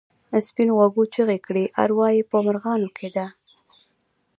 سپین غوږو چیغې کړې اروا یې په مرغانو کې ده.